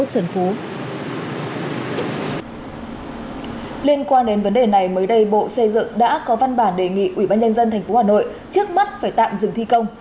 liên quan đến vấn đề này mới đây bộ xây dựng đã có văn bản đề nghị ubnd tp hà nội trước mắt phải tạm dừng thi công